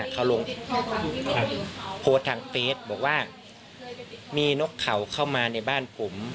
เขาลงโพสต์ทางเฟสบอกว่ามีนกเขาเข้ามาในบ้านผม